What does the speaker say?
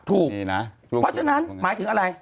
ถูกเพราะฉะนั้นหมายถึงอะไร